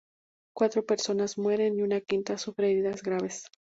Cuatro personas mueren y una quinta sufre heridas graves.